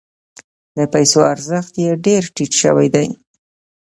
د پیسو ارزښت یې ډیر ټیټ شوی دی.